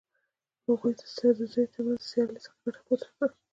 هغوی د سدوزیو تر منځ د سیالۍ څخه ګټه پورته کړه.